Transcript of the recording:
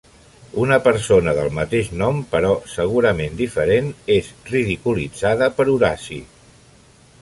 Una persona del mateix nom però segurament diferent, és ridiculitzada per Horaci.